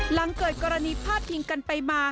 หลังเกิดกรณีพาดพิงกันไปมา